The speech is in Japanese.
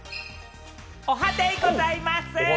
おはデイございます！